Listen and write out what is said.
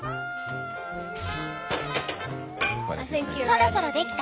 そろそろできた？